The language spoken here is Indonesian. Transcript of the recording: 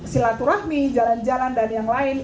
silaturahmi jalan jalan dan yang lain